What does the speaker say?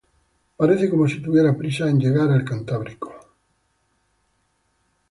Parece como si tuviera prisa en llegar al Cantábrico.